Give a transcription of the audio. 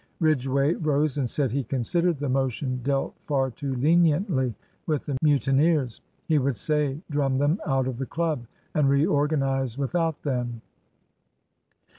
Ridgway rose, and said he considered the motion dealt far too leniently with the mutineers. He would say, drum them out of the club, and reorganise without them.